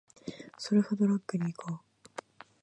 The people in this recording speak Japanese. ツルハドラッグに行こう